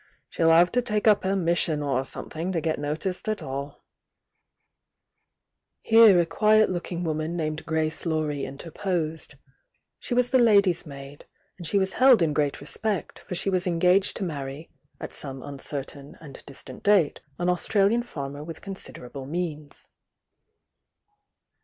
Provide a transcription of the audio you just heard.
She'll have to taJce up a 'mission' or something to get noticed at Suit Here a quiet looking woman named Grace Laurie interposed. She was the ladies' maid, and she was held in great respect, for she was engaged to marry 18 THE YOUNG DIAXA (at some uncertain and distant date) an Australian farmer with considerable means.